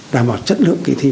đảm bảo chất lượng kỳ thi